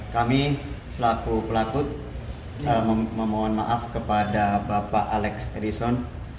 kami selaku pelakut memohon maaf kepada bapak alex edison